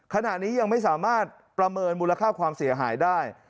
ขณะนี้ยังไม่สามารถประเมินมูลค่าความเสียหายได้